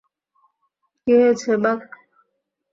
কী হয়েছে, বাক?